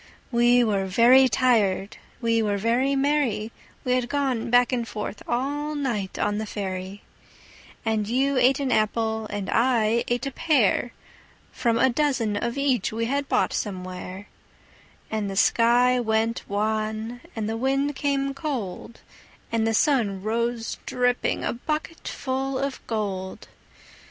We were very tired, we were very merry We had gone back and forth all night on the ferry, And you ate an apple, and I ate a pear, From a dozen of each we had bought somewhere; And the sky went wan, and the wind came cold, And the sun rose dripping, a bucketful of gold.